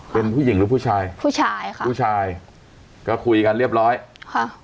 เป็นผู้หญิงหรือผู้ชายผู้ชายค่ะผู้ชายก็คุยกันเรียบร้อยค่ะ